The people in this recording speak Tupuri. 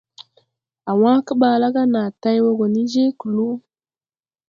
A wãã kebaala ga naa tay wo go ni je kluu.